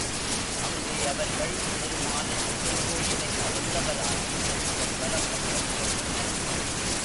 அங்கே அவர்கள் திருமாலின் திருக்கோயிலைக் கடந்தவராகி அதன் வலப்பக்கம் சென்றனர்.